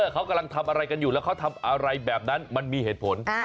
เขากำลังทำอะไรกันอยู่แล้วเขาทำอะไรแบบนั้นมันมีเหตุผล